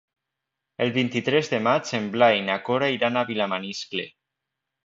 El vint-i-tres de maig en Blai i na Cora iran a Vilamaniscle.